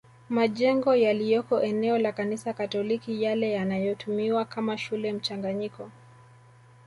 Majengo yaliyoko eneo la Kanisa Katoliki yale yanayotumiwa kama shule mchanganyiko